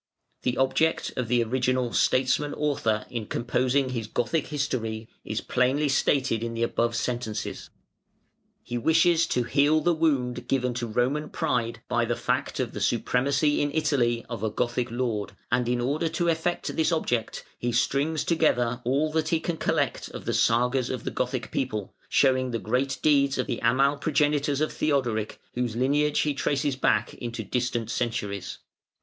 The object of the original statesman author in composing his "Gothic History" is plainly stated in the above sentences. He wishes to heal the wound given to Roman pride by the fact of the supremacy in Italy of a Gothic lord; and in order to effect this object he strings together all that he can collect of the Sagas of the Gothic people, showing the great deeds of the Amal progenitors of Theodoric, whose lineage he traces back into distant centuries.